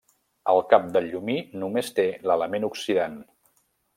El cap del llumí només té l'element oxidant.